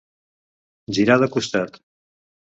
Girar de costat.